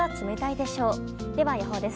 では予報です。